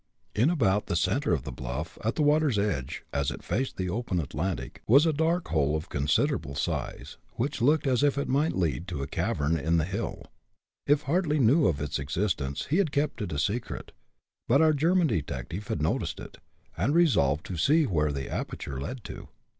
In about the center of the bluff, at the water's edge, as it faced the open Atlantic, was a dark hole of considerable size, which looked as if it might lead to a cavern in the hill. If Hartly knew of its existence, he had kept it a secret, but our German detective had noticed it, and resolved to see where the aperture led to.